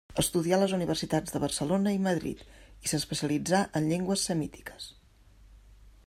Estudià a les universitats de Barcelona i Madrid, i s'especialitzà en llengües semítiques.